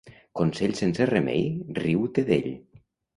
Consell sense remei, riu-te d'ell.